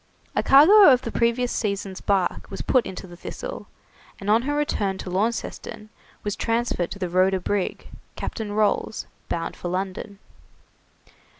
A cargo of the previous season's bark was put into the 'Thistle', and on her return to Launceston, was transferred to the 'Rhoda' brig, Captain Rolls, bound for London.